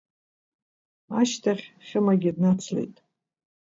Ашьҭахь Хьымагьы днацлеит.